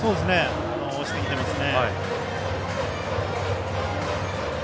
押してきてますね。